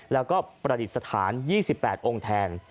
แล้วก็ประดิษฐาน๒๘องค์แทน